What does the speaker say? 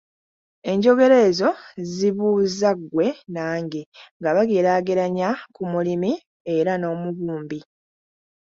Enjogera ezo zibuuza ggwe nange, nga bageraageranya ku mulimi era n'omubumbi.